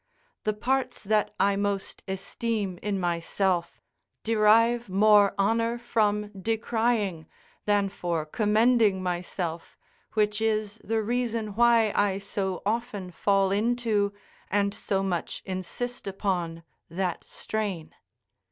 The parts that I most esteem in myself, derive more honour from decrying, than for commending myself which is the reason why I so often fall into, and so much insist upon that strain.